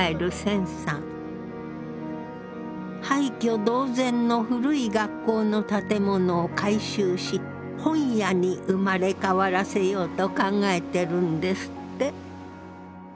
廃虚同然の古い学校の建物を改修し本屋に生まれ変わらせようと考えてるんですって。